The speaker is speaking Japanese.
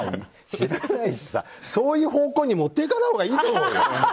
知らないしさ、そういう方向に持っていかないほうがいいと思うよ。